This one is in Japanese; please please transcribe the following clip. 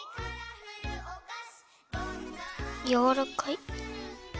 やわらかい。